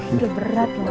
udah berat loh